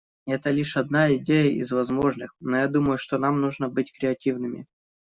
Это лишь одна идея из возможных, но я думаю, что нам нужно быть креативными.